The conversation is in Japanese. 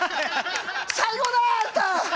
最高だよ、あんた！